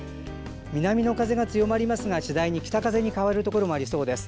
南の風が強まりますが次第に北風に変わるところもありそうです。